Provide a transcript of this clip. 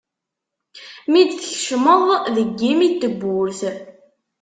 Mi d-tkecmeḍ deg yimi n tewwurt.